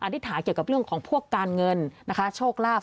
อธิษฐานเกี่ยวกับเรื่องของพวกการเงินนะคะโชคลาภ